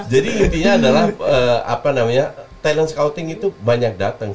jadi intinya adalah talent scouting itu banyak datang